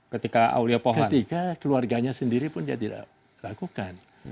ketika keluarganya sendiri pun tidak dilakukan